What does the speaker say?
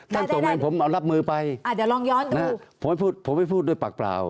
ส่งให้ผมเอารับมือไปอ่าเดี๋ยวลองย้อนดูผมให้พูดผมไม่พูดด้วยปากเปล่า